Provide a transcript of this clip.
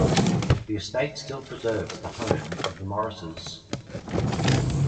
The estate still preserves the home of the Morrises.